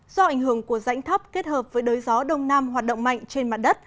do ảnh hưởng của rãnh thấp kết hợp với đới gió đông nam hoạt động mạnh trên mặt đất